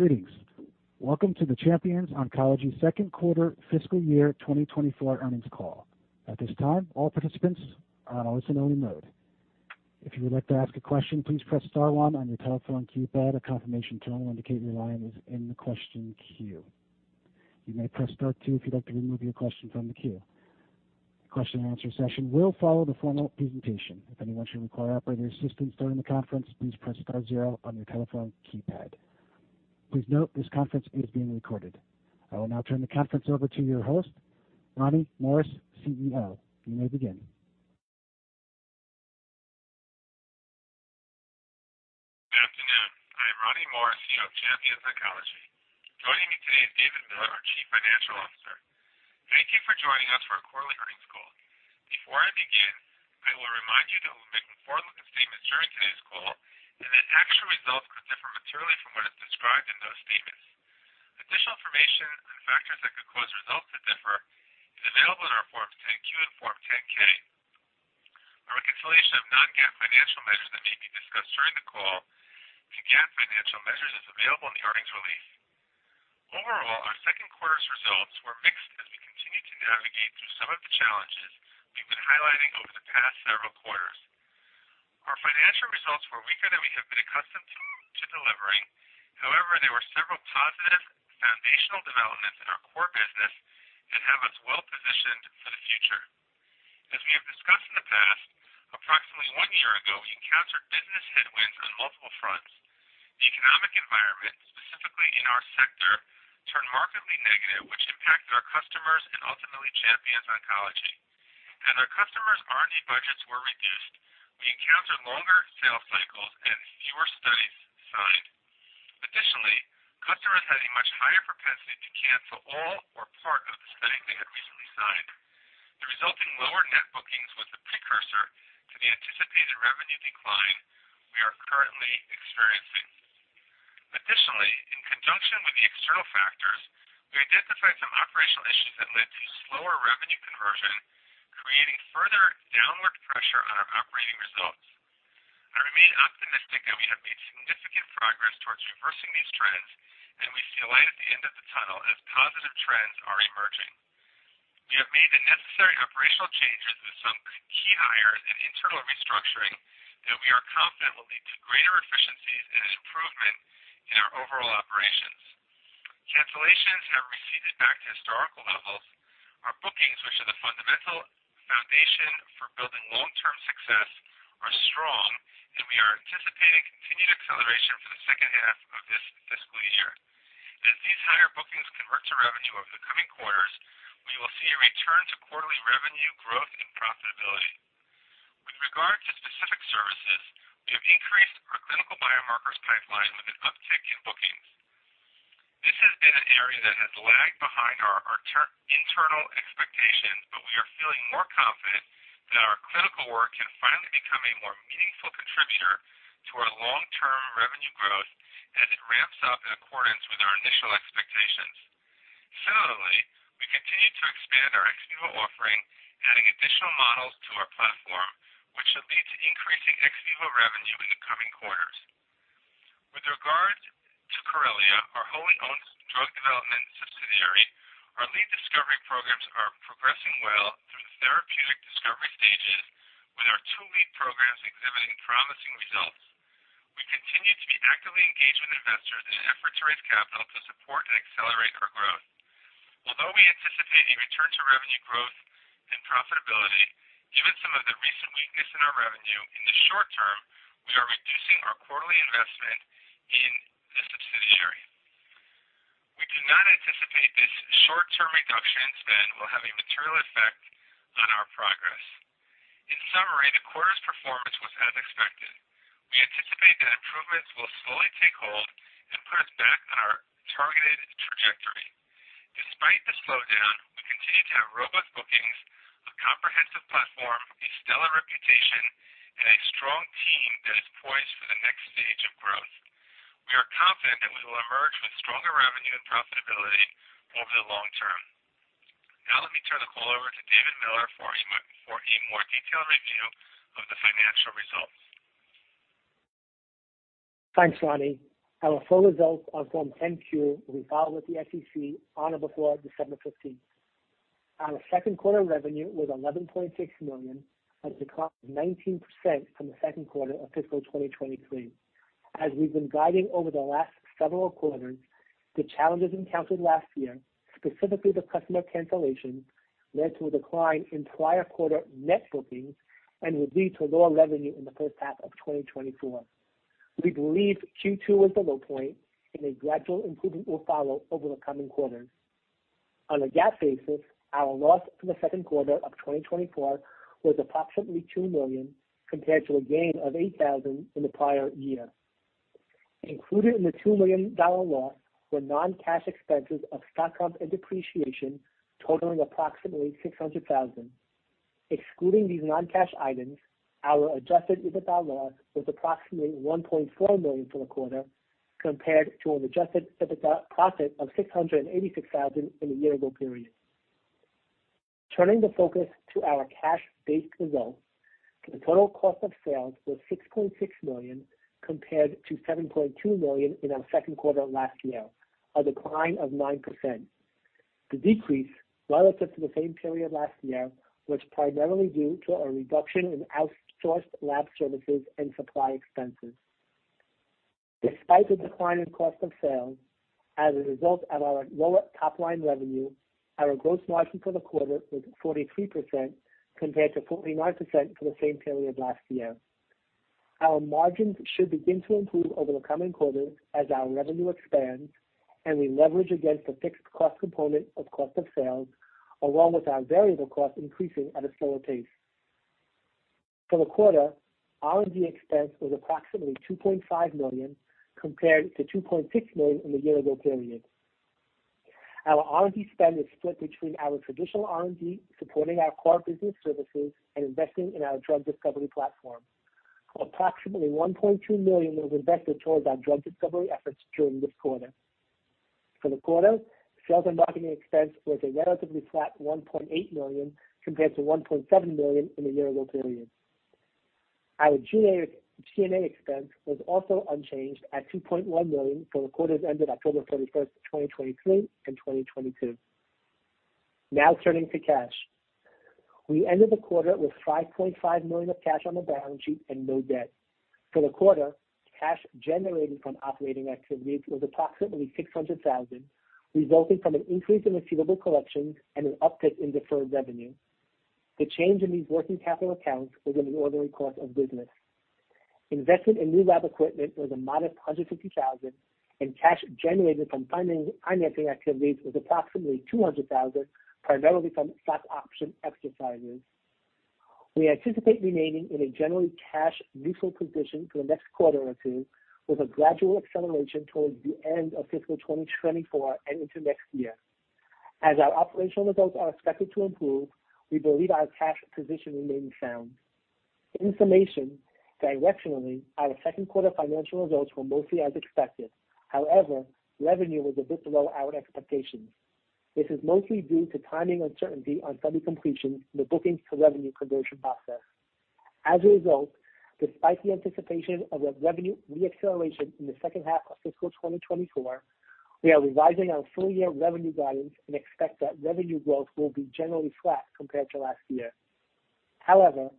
Greetings. Welcome to the Champions Oncology second quarter fiscal year 2024 earnings call. At this time, all participants are on listen-only mode. If you would like to ask a question, please press star one on your telephone keypad. A confirmation tone will indicate your line is in the question queue. You may press star two if you'd like to remove your question from the queue. The question-and-answer session will follow the formal presentation. If anyone should require operator assistance during the conference, please press star zero on your telephone keypad. Please note, this conference is being recorded. I will now turn the conference over to your host, Ronnie Morris, CEO. You may begin. Good afternoon. I'm Ronnie Morris, CEO of Champions Oncology. Joining me today is David Miller, our Chief Financial Officer. Thank you for joining us for our quarterly earnings call. Before I begin, I will remind you that we'll make forward-looking statements during today's call and that actual results could differ materially from what is described in those statements. Additional information on factors that could cause results to differ is available in our Form 10-Q and Form 10-K. A reconciliation of non-GAAP financial measures that may be discussed during the call to GAAP financial measures is available in the earnings release. Overall, our second quarter's results were mixed as we continued to navigate through some of the challenges we've been highlighting over the past several quarters. Our financial results were weaker than we have been accustomed to delivering. However, there were several positive foundational developments in our core business and have us well positioned for the future. As we have discussed in the past, approximately one year ago, we encountered business headwinds on multiple fronts. The economic environment, specifically in our sector, turned markedly negative, which impacted our customers and ultimately Champions Oncology. As our customers' R&D budgets were reduced, we encountered longer sales cycles and fewer studies signed. Additionally, customers had a much higher propensity to cancel all or part of the studies they had recently signed. The resulting lower net bookings was a precursor to the anticipated revenue decline we are currently experiencing. Additionally, in conjunction with the external factors, we identified some operational issues that led to slower revenue conversion, creating further downward pressure on our operating results. I remain optimistic that we have made significant progress towards reversing these trends, and we see a light at the end of the tunnel as positive trends are emerging. We have made the necessary operational changes with some key hires and internal restructuring that we are confident will lead to greater efficiencies and an improvement in our overall operations. Cancellations have receded back to historical levels. Our bookings, which are the fundamental foundation for building long-term success, are strong, and we are anticipating continued acceleration for the second half of this fiscal year. As these higher bookings convert to revenue over the coming quarters, we will see a return to quarterly revenue growth and profitability. With regard to specific services, we have increased our clinical biomarkers pipeline with an uptick in bookings. This has been an area that has lagged behind our internal expectations, but we are feeling more confident that our clinical work can finally become a more meaningful contributor to our long-term revenue growth as it ramps up in accordance with our initial expectations. Similarly, we continue to expand our ex vivo offering, adding additional models to our platform, which should lead to increasing ex vivo revenue in the coming quarters. With regard to Corellia, our wholly owned drug development subsidiary, our lead discovery programs are progressing well through the therapeutic discovery stages, with our two lead programs exhibiting promising results. We continue to be actively engaged with investors in an effort to raise capital to support and accelerate our growth. Although we anticipate a return to revenue growth and profitability, given some of the recent weakness in our revenue in the short term, we are reducing our quarterly investment in the subsidiary. We do not anticipate this short-term reduction in spend will have a material effect on our progress. In summary, the quarter's performance was as expected. We anticipate that improvements will slowly take hold and put us back on our targeted trajectory. Despite the slowdown, we continue to have robust bookings, a comprehensive platform, a stellar reputation, and a strong team that is poised for the next stage of growth. We are confident that we will emerge with stronger revenue and profitability over the long term. Now let me turn the call over to David Miller for a more detailed review of the financial results. Thanks, Ronnie. Our full results, Form 10-Q, will be filed with the SEC on or before December 15th. Our second quarter revenue was $11.6 million, a decline of 19% from the second quarter of fiscal 2023. As we've been guiding over the last several quarters, the challenges encountered last year, specifically the customer cancellations, led to a decline in prior quarter net bookings and would lead to lower revenue in the first half of 2024. We believe Q2 was the low point and a gradual improvement will follow over the coming quarters. On a GAAP basis, our loss for the second quarter of 2024 was approximately $2 million, compared to a gain of $8,000 in the prior year. Included in the $2 million loss were non-cash expenses of stock comp and depreciation, totaling approximately $600,000. Excluding these non-cash items, our adjusted EBITDA loss was approximately $1.4 million for the quarter, compared to an adjusted EBITDA profit of $686,000 in the year-ago period. Turning the focus to our cash-based results, the total cost of sales was $6.6 million, compared to $7.2 million in our second quarter last year, a decline of 9%. The decrease relative to the same period last year was primarily due to a reduction in outsourced lab services and supply expenses. Despite the decline in cost of sales, as a result of our lower top-line revenue, our gross margin for the quarter was 43%, compared to 49% for the same period last year. Our margins should begin to improve over the coming quarters as our revenue expands and we leverage against the fixed cost component of cost of sales, along with our variable costs increasing at a slower pace. For the quarter, R&D expense was approximately $2.5 million, compared to $2.6 million in the year-ago period. Our R&D spend is split between our traditional R&D, supporting our core business services, and investing in our drug discovery platform. Approximately $1.2 million was invested towards our drug discovery efforts during this quarter. For the quarter, sales and marketing expense was a relatively flat $1.8 million, compared to $1.7 million in the year-ago period. Our GA, G&A expense was also unchanged at $2.1 million for the quarters ended October 31, 2023 and 2022. Now turning to cash. We ended the quarter with $5.5 million of cash on the balance sheet and no debt. For the quarter, cash generated from operating activities was approximately $600,000, resulting from an increase in receivable collections and an uptick in deferred revenue. The change in these working capital accounts was an ordinary course of business. Investment in new lab equipment was a modest $150,000, and cash generated from financing activities was approximately $200,000, primarily from stock option exercises. We anticipate remaining in a generally cash neutral position for the next quarter or two, with a gradual acceleration towards the end of fiscal 2024 and into next year. As our operational results are expected to improve, we believe our cash position remains sound. Information directionally, our second quarter financial results were mostly as expected. However, revenue was a bit below our expectations. This is mostly due to timing uncertainty on study completions in the bookings to revenue conversion process. As a result, despite the anticipation of a revenue reacceleration in the second half of fiscal 2024, we are revising our full-year revenue guidance and expect that revenue growth will be generally flat compared to last year. However,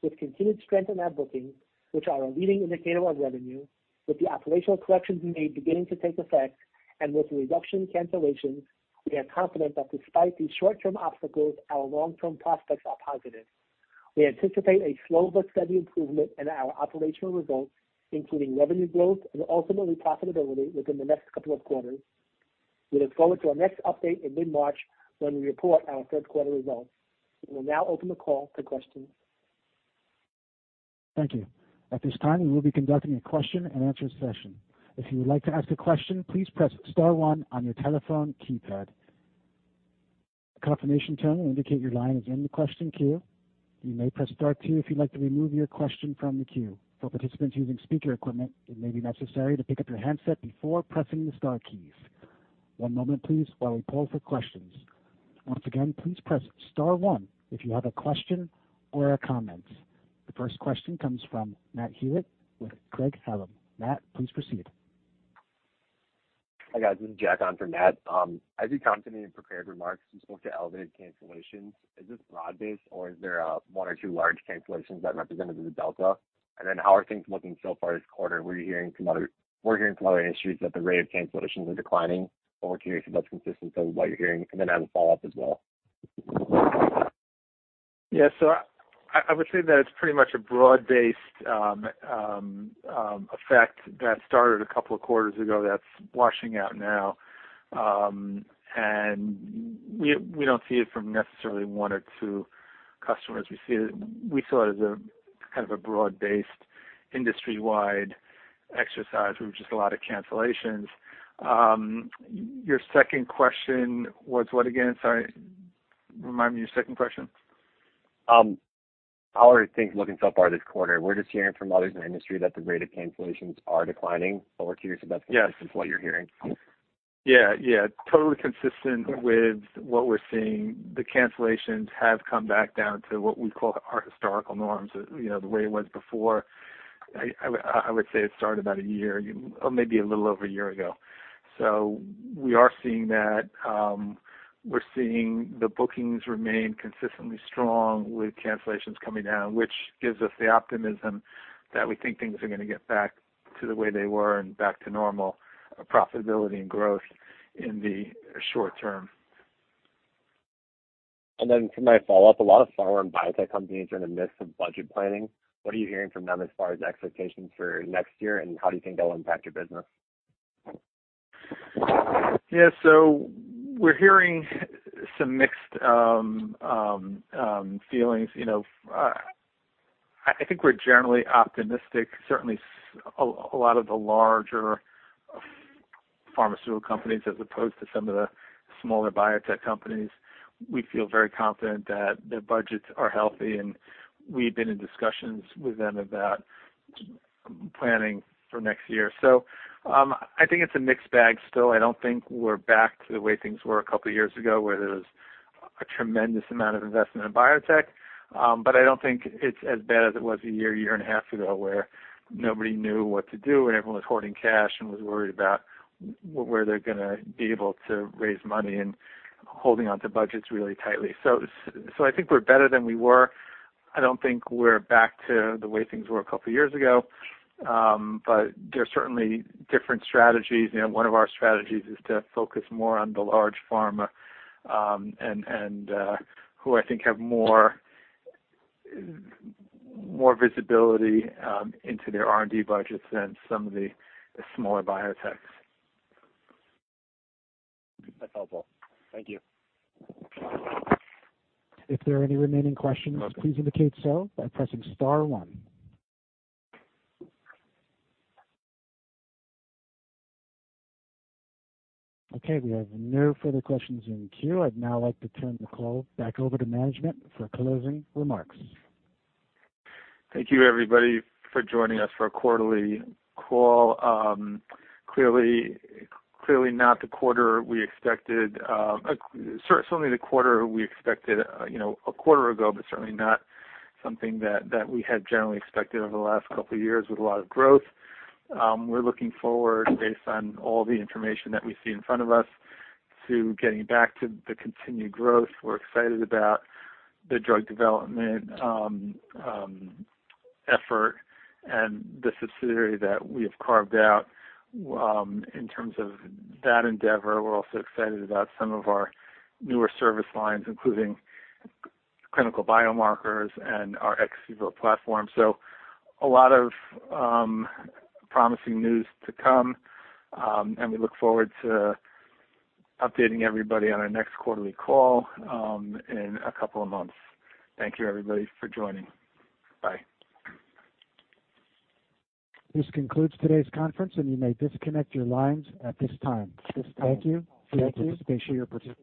with continued strength in our bookings, which are a leading indicator of revenue, with the operational corrections we made beginning to take effect and with a reduction in cancellations, we are confident that despite these short-term obstacles, our long-term prospects are positive. We anticipate a slow but steady improvement in our operational results, including revenue growth and ultimately profitability, within the next couple of quarters. We look forward to our next update in mid-March when we report our third quarter results. We will now open the call to questions. Thank you. At this time, we will be conducting a question-and-answer session. If you would like to ask a question, please press star one on your telephone keypad. A confirmation tone will indicate your line is in the question queue. You may press star two if you'd like to remove your question from the queue. For participants using speaker equipment, it may be necessary to pick up your handset before pressing the star keys. One moment please while we poll for questions. Once again, please press star one if you have a question or a comment. The first question comes from Matt Hewitt with Craig-Hallum. Matt, please proceed. Hi, guys. This is Jack on for Matt. As you commented in prepared remarks, you spoke to elevated cancellations. Is this broad-based, or is there one or two large cancellations that represented the delta? And then how are things looking so far this quarter? We're hearing from other industries that the rate of cancellations are declining, but we're curious if that's consistent with what you're hearing, and then I have a follow-up as well. Yeah, so I would say that it's pretty much a broad-based effect that started a couple of quarters ago that's washing out now. And we don't see it from necessarily one or two customers. We see it, we saw it as a kind of a broad-based, industry-wide exercise with just a lot of cancellations. Your second question was what again? Sorry, remind me your second question. How are things looking so far this quarter? We're just hearing from others in the industry that the rate of cancellations are declining, but we're curious if that's- Yes. Consistent with what you're hearing. Yeah, yeah, totally consistent with what we're seeing. The cancellations have come back down to what we call our historical norms, you know, the way it was before. I would say it started about a year or maybe a little over a year ago. So we are seeing that. We're seeing the bookings remain consistently strong with cancellations coming down, which gives us the optimism that we think things are going to get back to the way they were and back to normal profitability and growth in the short term. And then for my follow-up, a lot of pharma and biotech companies are in the midst of budget planning. What are you hearing from them as far as expectations for next year, and how do you think that will impact your business? Yeah, so we're hearing some mixed feelings. You know, I think we're generally optimistic. Certainly a lot of the larger pharmaceutical companies, as opposed to some of the smaller biotech companies, we feel very confident that their budgets are healthy, and we've been in discussions with them about planning for next year. So, I think it's a mixed bag still. I don't think we're back to the way things were a couple of years ago, where there was a tremendous amount of investment in biotech. But I don't think it's as bad as it was a year, year and a half ago, where nobody knew what to do, and everyone was hoarding cash and was worried about where they're gonna be able to raise money and holding on to budgets really tightly. So, I think we're better than we were. I don't think we're back to the way things were a couple of years ago. But there are certainly different strategies. You know, one of our strategies is to focus more on the large pharma and who I think have more visibility into their R&D budgets than some of the smaller biotechs. That's helpful. Thank you. If there are any remaining questions, please indicate so by pressing star one. Okay, we have no further questions in queue. I'd now like to turn the call back over to management for closing remarks. Thank you, everybody, for joining us for our quarterly call. Clearly, clearly not the quarter we expected, certainly the quarter we expected, you know, a quarter ago, but certainly not something that we had generally expected over the last couple of years with a lot of growth. We're looking forward, based on all the information that we see in front of us, to getting back to the continued growth. We're excited about the drug development effort and the subsidiary that we have carved out in terms of that endeavor. We're also excited about some of our newer service lines, including clinical biomarkers and our ex vivo platform. So a lot of promising news to come, and we look forward to updating everybody on our next quarterly call in a couple of months. Thank you, everybody, for joining. Bye. This concludes today's conference, and you may disconnect your lines at this time. Thank you for your participation.